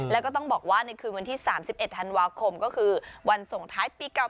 แล้วก็ต้องบอกว่าในคืนวันที่๓๑ธันวาคมก็คือวันส่งท้ายปีเก่า